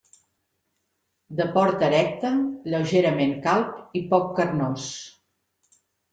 De port erecte, lleugerament calb, i poc carnós.